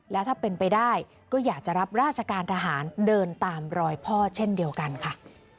แล้วถ้าเป็นไปได้ก็อยากจะรับราชการทหารเดินตามรอยพ่อเช่นเดียวกันค่ะ